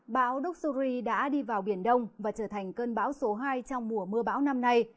bão doxury đã đi vào biển đông và trở thành cơn bão số hai trong mùa mưa bão năm nay